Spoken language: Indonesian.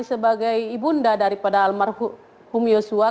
sebagai ibunda daripada almarhum yusuf